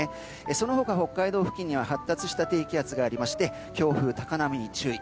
その他、北海道付近には発達した低気圧がありまして強風・高波に注意。